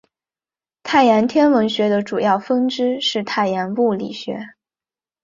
太阳天文学的主要分支是太阳物理学。